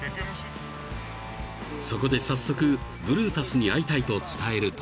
［そこで早速ブルータスに会いたいと伝えると］